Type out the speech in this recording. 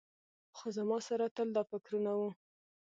خو زما سره تل دا فکرونه وو.